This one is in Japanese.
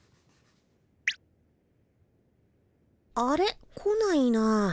あれ？来ないなあ。